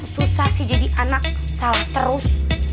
susah sih jadi anak salah terus